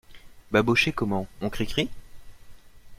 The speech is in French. Babochet Comment, on cricri ?